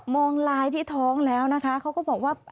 งลายที่ท้องแล้วนะคะเขาก็บอกว่า